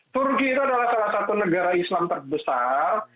turki itu adalah salah satu negara islam terbesar